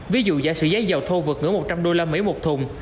ví dụ giả sử giá dầu thô vượt ngưỡng một trăm linh đô la mỹ một thùng